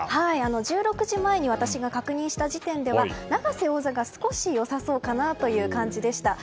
１６時前に私が確認した時点では永瀬王座が少し良さそうかなという感じでした。